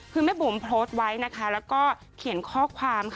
คือแม่บุ๋มโพสต์ไว้นะคะแล้วก็เขียนข้อความค่ะ